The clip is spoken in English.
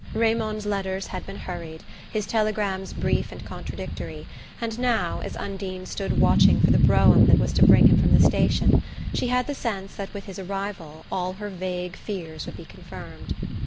Raymond's letters had been hurried, his telegrams brief and contradictory, and now, as Undine stood watching for the brougham that was to bring him from the station, she had the sense that with his arrival all her vague fears would be confirmed.